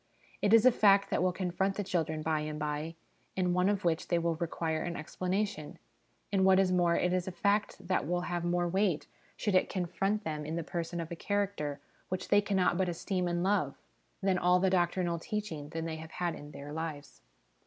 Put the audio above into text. It is a fact that will confront the children by and by, and one of which they will require an explanation ; and what is more, it is a fact that will have more weight, should it confront them in the person of a character which they cannot but esteem and love, than all the doctrinal teaching they have had in their lives.